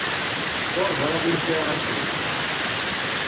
Ur ẓriɣ ma sɛiɣ akud.